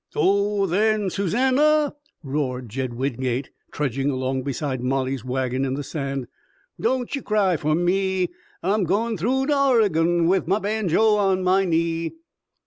"Oh, then, Susannah!" roared Jed Wingate, trudging along beside Molly's wagon in the sand. "Don't you cry fer me I'm going through to Oregon, with my banjo on my knee!"